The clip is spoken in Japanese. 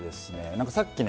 なんかさっきね